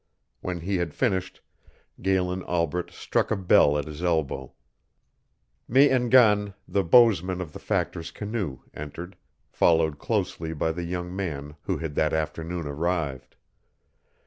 When he had finished, Galen Albret struck a bell at his elbow. Me en gan, the bowsman of the Factor's canoe, entered, followed closely by the young man who had that afternoon arrived.